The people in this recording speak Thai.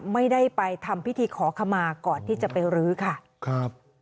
ไม่ได้ไปทำพิธีขอขมาก่อนที่จะไปรื้อค่ะครับ